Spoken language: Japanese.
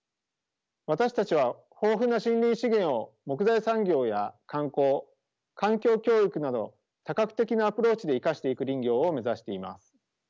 私たちは豊富な森林資源を木材産業や観光環境教育など多角的なアプローチで生かしていく林業を目指しています。